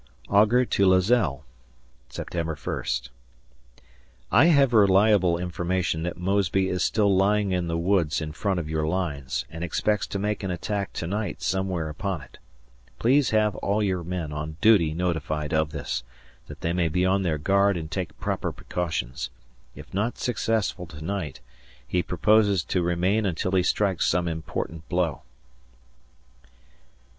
[Augur to Lazelle] September 1st. I have reliable information that Mosby is still lying in the woods in front of your lines, and expects to make an attack to night somewhere upon it. Please have all your men on duty notified of this, that they may be on their guard and take proper precautions. If not successful to night, he proposes to remain until he strikes some important blow.